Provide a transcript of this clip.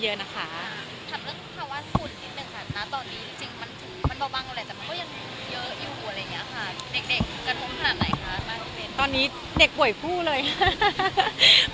ถามเรื่องภาวะฝูนที่เป็นสถานะตอนนี้